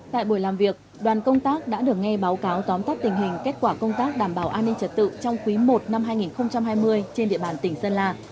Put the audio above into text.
tại buổi làm việc đoàn công tác đã được nghe báo cáo tóm tắt tình hình kết quả công tác đảm bảo an ninh trật tự trong quý i năm hai nghìn hai mươi trên địa bàn tỉnh sơn la